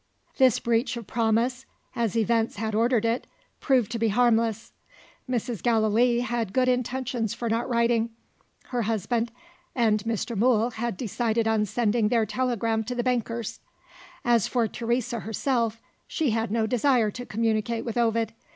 This breach of promise (as events had ordered it) proved to be harmless. Mrs. Gallilee had good reasons for not writing. Her husband and Mr. Mool had decided on sending their telegram to the bankers. As for Teresa herself, she had no desire to communicate with Ovid.